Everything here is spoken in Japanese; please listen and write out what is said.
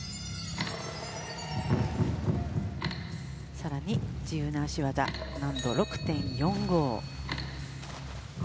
更に、自由な脚技難度６．４５。